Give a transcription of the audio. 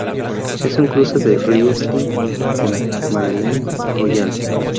Es un cruce de riesling con madeleine royale.